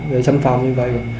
gây xâm phạm như vậy